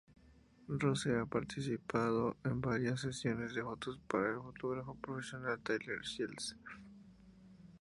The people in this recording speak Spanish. Rose ha participado en varias sesiones de fotos para el fotógrafo profesional Tyler Shields.